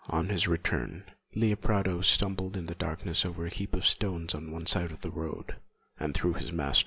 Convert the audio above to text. On his return Leopardo stumbled in the darkness over a heap of stones on one side of the road, and threw his master.